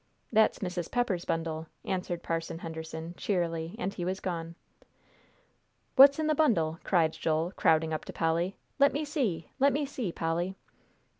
"That's Mrs. Pepper's bundle," answered Parson Henderson, cheerily, and he was gone. "What's in the bundle?" cried Joel, crowding up to Polly. "Let me see; let me see, Polly."